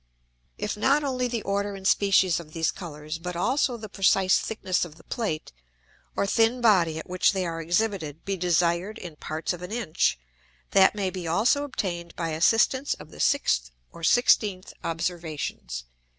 If not only the Order and Species of these Colours, but also the precise thickness of the Plate, or thin Body at which they are exhibited, be desired in parts of an Inch, that may be also obtained by assistance of the 6th or 16th Observations.